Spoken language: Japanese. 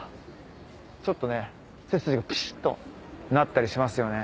ちょっと背筋がピシっとなったりしますよね。